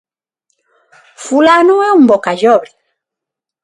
Fulano é un bo callobre.